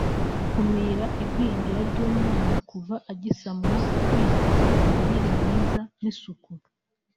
kumira igwingira ry’umwana kuva agisamwa wita ku mirire myiza n’isuku